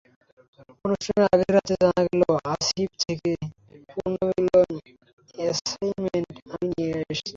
অনুষ্ঠানের আগের রাতে জানা গেল, অফিস থেকে পুনর্মিলনীর অ্যাসাইনমেন্টে আমিই যাচ্ছি।